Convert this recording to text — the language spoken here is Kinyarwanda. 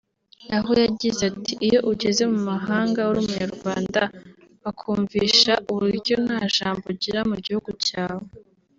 aho yajyize ati « iyo ujyeze mu mahanga uri umunyarwanda bakumvisha uburyo nta jambo ugira mu gihugu cyawe